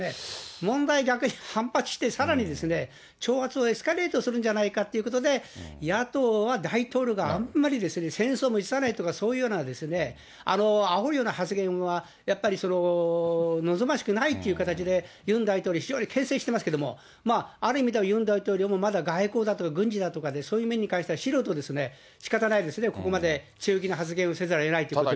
問題だけ、反発してさらに挑発をエスカレートするんじゃないかということで、野党は、大統領があんまり戦争も辞さないとか、そういうようなあおるような発言はやっぱり望ましくないっていう形で、ユン大統領、非常にけん制してますけれども、ユン大統領もまだ外交だとか、軍事だとか、そういう意味においては素人ですね、しかたないですね、ここまで強気な発言をせざるをえないということで。